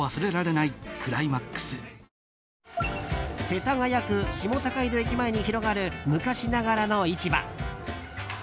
世田谷区下高井戸駅前に広がる昔ながらの市場。